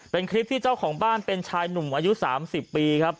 เป็นคลิปที่เจ้าของบ้านเป็นชายหนุ่มอายุ๓๐ปีครับ